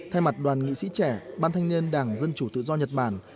thay mặt đoàn nghị sĩ trẻ ban thanh niên đảng dân chủ tự do nhật bản